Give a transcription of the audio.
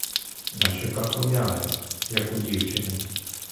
На щоках рум'янець, як у дівчини.